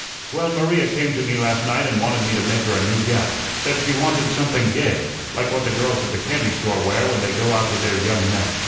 "Well, Maria came to me last night and wanted me to make her a new gown, said she wanted something gay, like what the girls at the candy store wear when they go out with their young men.